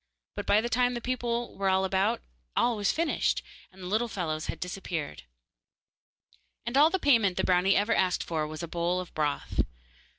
But by the time the people were about all was finished, and the little fellows had disappeared. And all the payment the brownie ever asked for was a bowl of broth.